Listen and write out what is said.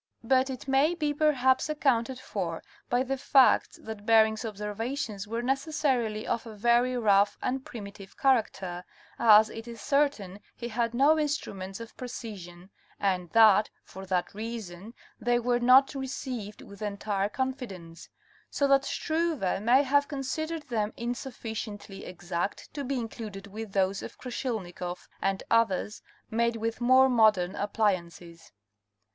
But it may be perhaps accounted for by the facts that Bering's observations were necessarily of a very rough and primitive character—as it is certain he had no instruments of precision ; and that, for that reason, they were not received with entire confidence ; so that Struve may have considered them insuf ficiently exact to be included with those of Krassilnikoff and others made with more modern appliances.